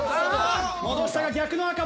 戻したが逆の赤もある。